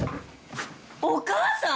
お母さん！？